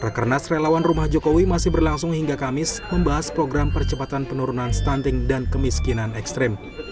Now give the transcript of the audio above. rekernas relawan rumah jokowi masih berlangsung hingga kamis membahas program percepatan penurunan stunting dan kemiskinan ekstrim